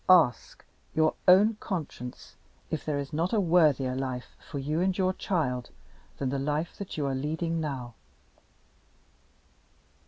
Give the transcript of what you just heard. "Ask your own conscience if there is not a worthier life for you and your child than the life that you are leading now."